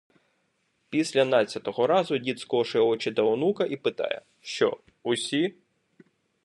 Після надцятого разу дід скошує очі до онука і питає: “Що, усі?”